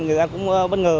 người dân cũng bất ngờ